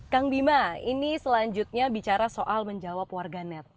kang bima ini selanjutnya bicara soal menjawab warga net